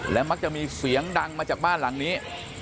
และมักจะมีเสียงดังมาจากบ้านหลังนี้